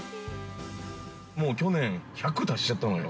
◆もう去年、１００達しちゃったのよ。